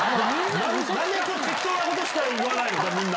何を適当なことしか言わないの、みんな。